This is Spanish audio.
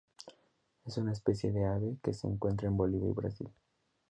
Es una especie de ave que se encuentra en Bolivia y Brasil.